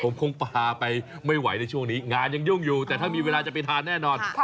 ผมคงพาไปไม่ไหวในช่วงนี้งานยังยุ่งอยู่แต่ถ้ามีเวลาจะไปทานแน่นอน